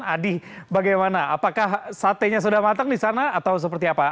adi bagaimana apakah satenya sudah matang di sana atau seperti apa